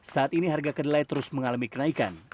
saat ini harga kedelai terus mengalami kenaikan